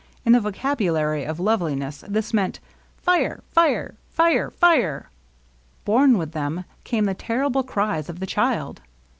In the vocabulary of Loveliness this meant, " Fire ! Fire ! Fire ! Fire !" Borne with them came the terrible cries of the child.